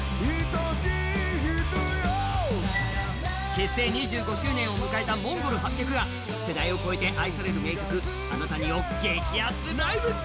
結成２５周年を迎えたＭＯＮＧＯＬ８００は世代を超えて愛される名曲「あなたに」を激アツライブ！